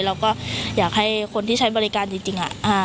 เราก็อยากให้คนที่ใช้บริการจริง